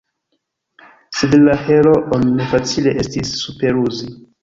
Sed la heroon ne facile estis superruzi.